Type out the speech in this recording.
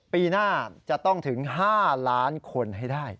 ปีหน้าจะต้องถึง๕ล้านคนให้ได้